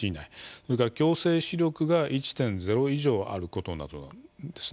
それから矯正視力が１．０以上あることなどなんです。